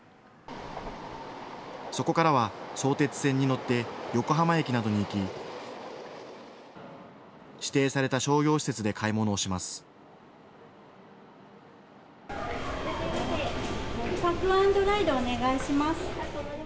そこからは相鉄線に乗って横浜駅などに行き、指定された商業施設で買い物をします。